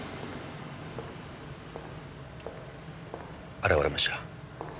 現れました。